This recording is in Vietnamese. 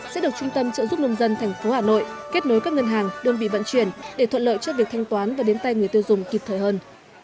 sẽ được trung tâm trợ giúp nông dân tp hà nội kết nối các ngân hàng đơn vị vận chuyển để thuận lợi cho việc thanh toán và đến tay người tiêu dùng kịp thời hơn